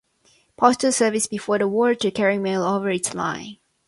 Postal Service before the war, to carry mail over its line.